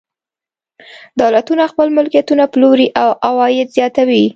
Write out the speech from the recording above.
دولتونه خپل ملکیتونه پلوري او عواید زیاتوي.